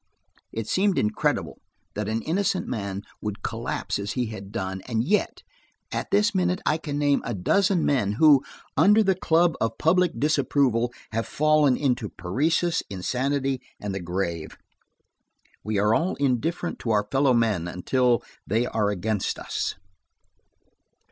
It seemed incredible that an innocent man would collapse as he had done, and yet–at this minute I can name a dozen men who, under the club of public disapproval, have fallen into paresis, insanity and the grave. We are all indifferent to our fellow men until they are against us.